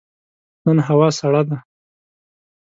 نن هوا سړه ده.